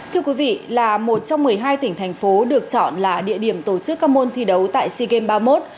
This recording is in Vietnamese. thưa quý vị là một trong một mươi hai tỉnh thành phố được chọn là địa điểm tổ chức các môn thi đấu tại sea games ba mươi một